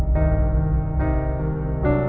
ketien apa yang kamu lakukan